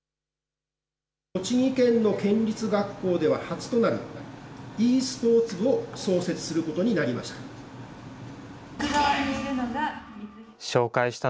栃木県の県立学校では初となる、ｅスポーツ部を創設することになりました。